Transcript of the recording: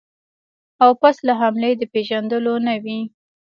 او پس له حملې د پېژندلو نه وي.